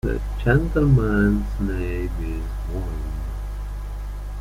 The gentleman's name is Wong.